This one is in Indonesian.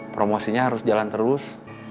promosinya harus jalan terus